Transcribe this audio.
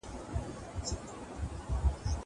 زه به اوږده موده قلم استعمالوم کړی وم!